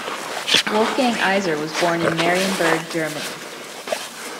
Wolfgang Iser was born in Marienberg, Germany.